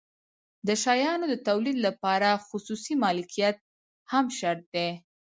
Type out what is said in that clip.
د شیانو د تولید لپاره خصوصي مالکیت هم شرط دی.